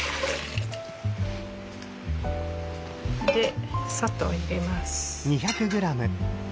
で砂糖入れます。